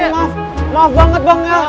maaf banget bang ya